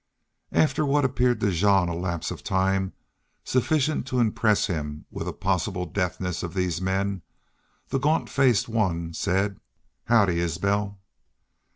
After what appeared to Jean a lapse of time sufficient to impress him with a possible deafness of these men, the gaunt faced one said, "Howdy, Isbel!"